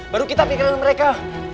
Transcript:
baru kita pikirin mereka